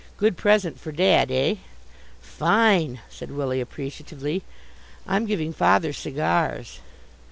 Good present for Dad, eh?" "Fine!" said Willie appreciatively. "I'm giving Father cigars."